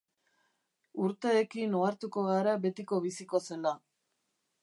Urteekin ohartuko gara betiko biziko zela.